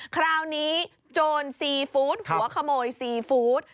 คราวนี้โจรซีฟู้ดหัวขโมยซีฟู้ด